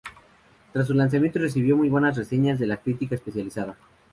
Tras su lanzamiento recibió muy buenas reseñas de la crítica especializada.